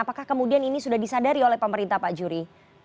apakah kemudian ini sudah disadari oleh pemerintah pak juri